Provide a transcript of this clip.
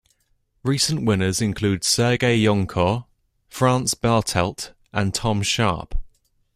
Recent winners include Serge Joncour, Franz Bartelt and Tom Sharpe.